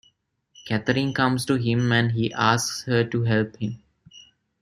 Katherine comes to him and he asks her to help him.